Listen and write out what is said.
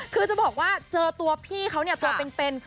คือจะบอกว่าเจอตัวพี่เขาเนี่ยตัวเป็น